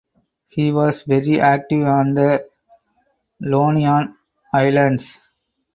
He was very active on the Ionian Islands.